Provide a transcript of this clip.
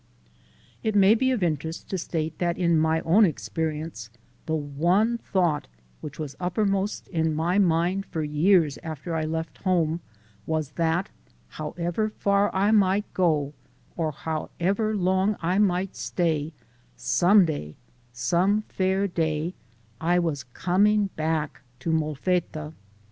It may be of interest to state that in my own experience the one thought which was upper most in my mind for years after I left home, was that, however far I might go or however long I might stay, some day, some fair day I was coming back to Molfetta.